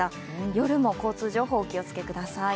夜も交通情報、お気をつけください。